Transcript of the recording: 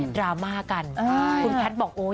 ดราม่ากันคุณพัทรบอกโอ๊ย